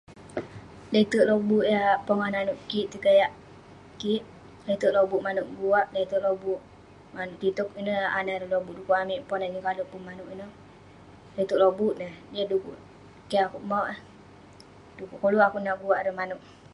Leterk lobuk pongah nanouk kik, tegayak kik, leterk lobuk manouk guak ngan tiktok ineh anah ireh lobuk pukuk amik Ponan yeng kale' pun manouk ineh. Leterk lobuk neh eh, yah dekuk kek akouk mauk eh. Dekuk koluk akouk nat guak ireh manouk.